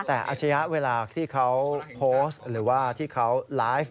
แต่อาชญะเวลาที่เขาโพสต์หรือว่าที่เขาไลฟ์